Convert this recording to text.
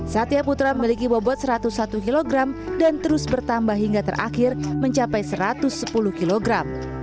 satya putra memiliki bobot satu ratus satu kg dan terus bertambah hingga terakhir mencapai satu ratus sepuluh kilogram